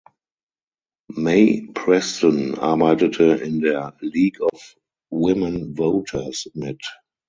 May Preston arbeitete in der "League of Women Voters" mit.